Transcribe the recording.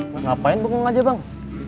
ngapain bengong aja bang